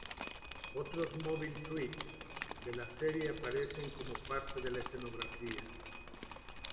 Otros Mobile Suits de la serie aparecen como parte de la escenografía.